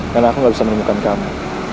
karena aku gak bisa menemukan kamu